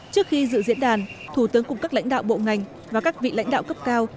trước khi dự diễn đàn thủ tướng cùng các lãnh đạo bộ ngành và các vị lãnh đạo cấp cao